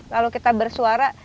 lalu kita bersuara